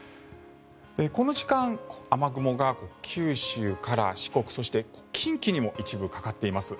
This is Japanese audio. この時間、雨雲が九州から四国そして近畿にも一部かかっています。